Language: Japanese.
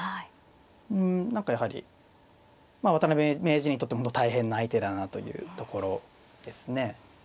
うん何かやはり渡辺名人にとっても大変な相手だなというところですね。